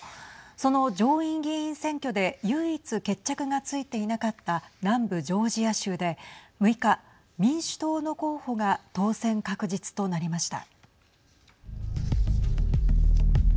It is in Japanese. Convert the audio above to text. その上院議員選挙で唯一決着がついていなかった南部ジョージア州で６日、民主党の候補が当選確実となりました。